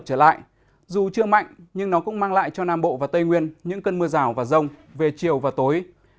trở lại dù chưa mạnh nhưng nó cũng mang lại cho nam bộ và tây nguyên những cơn mưa rào và rông về chiều và tối